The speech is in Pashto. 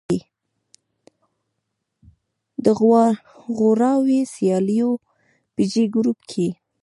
د غوراوي سیالیو په جې ګروپ کې